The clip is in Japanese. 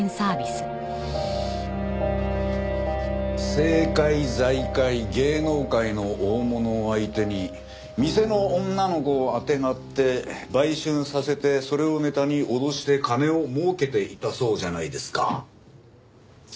政界財界芸能界の大物を相手に店の女の子をあてがって売春させてそれをネタに脅して金を儲けていたそうじゃないですか。